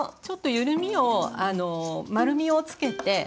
ちょっと緩みを丸みをつけて。